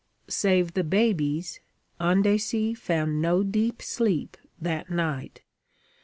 Save the babies, Andecy found no deep sleep that night.